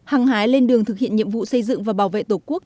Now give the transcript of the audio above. hăng hái lên đường thực hiện nhiệm vụ xây dựng và bảo vệ tổ quốc